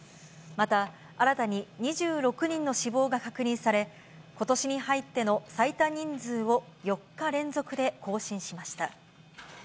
また、新たに２６人の死亡が確認され、ことしに入っての最多人数を４日連続で更新しました。